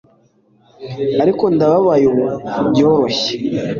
Ariko ndababariye ubu byoroshye